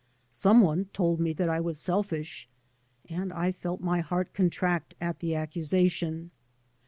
Some one told me that I was selfish, and I felt my heart contract at the accusation.